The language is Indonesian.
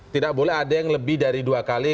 tidak boleh ada yang lebih dari dua kali